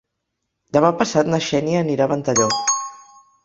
Demà passat na Xènia anirà a Ventalló.